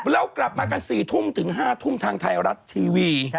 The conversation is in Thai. เรากลับมากัน๔ทุ่มถึง๕ทุ่มทางไทยรัฐทีวี